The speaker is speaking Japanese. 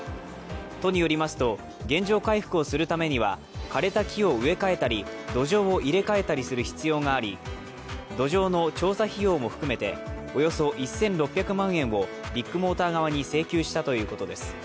都によりますと原状回復をするためには枯れた木を植え替えたり、土壌を入れ替えたりする必要があり土壌の調査費用も含めておよそ１６００万円をビッグモーター側に請求したということです。